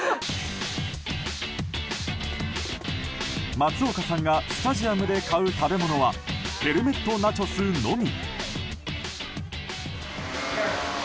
松岡さんがスタジアムで買う食べ物はヘルメットナチョスのみ。